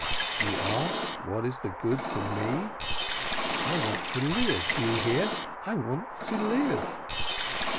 "You ask, what is the good to me? I want to live, do you hear? I want to live!"